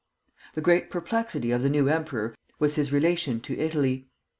The great perplexity of the new emperor was his relation to Italy.